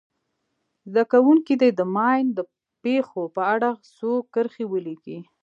زده کوونکي دې د ماین د پېښو په اړه څو کرښې ولیکي.